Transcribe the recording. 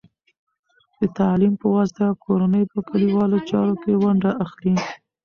د تعلیم په واسطه، کورنۍ په کلیوالو چارو کې ونډه اخلي.